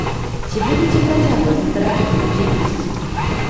Ці будзеце працягваць літаратурную дзейнасць?